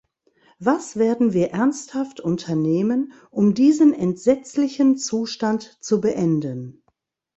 Was werden wir ernsthaft unternehmen, um diesen entsetzlichen Zustand zu beenden?